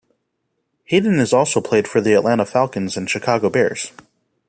Hayden has also played for the Atlanta Falcons and Chicago Bears.